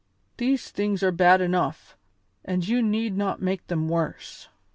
These things are bad enough, and you need not make them worse."